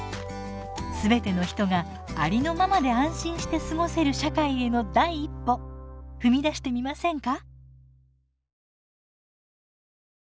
全ての人がありのままで安心して過ごせる社会への第一歩踏み出してみませんか？